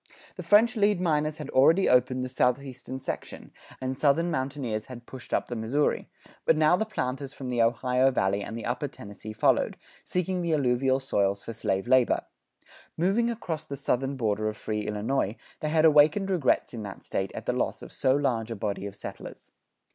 The French lead miners had already opened the southeastern section, and Southern mountaineers had pushed up the Missouri; but now the planters from the Ohio Valley and the upper Tennessee followed, seeking the alluvial soils for slave labor. Moving across the southern border of free Illinois, they had awakened regrets in that State at the loss of so large a body of settlers.